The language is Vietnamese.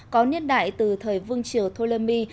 có niên đại từ thời vương triều ptolemy